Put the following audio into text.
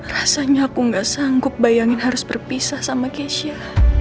rasanya aku gak sanggup bayangin harus berpisah sama keisha